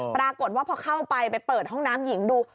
ปรากฏว่าพอเข้าไปไปเปิดห้องน้ำหญิงดู